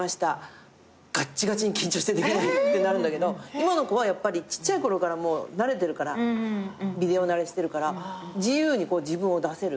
ガッチガチに緊張してできないってなるんだけど今の子はちっちゃい頃からビデオ慣れしてるから自由に自分を出せる。